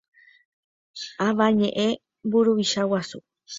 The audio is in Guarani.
Avañeʼẽ mburuvicha guasu.